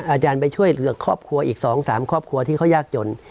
อาจารย์ไปช่วยเหลือครอบครัวอีก๒๓ครอบครัวที่เขายากจน